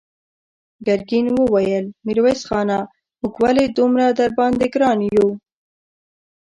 ګرګين وويل: ميرويس خانه! موږ ولې دومره درباندې ګران يو؟